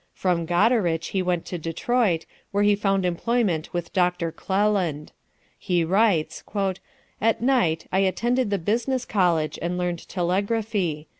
From Goderich he went to Detroit, where he found employment with Dr. Cleland. He writes: "At night I attended the Business College, and learned telegraphy.